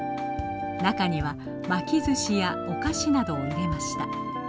中には巻きずしやお菓子などを入れました。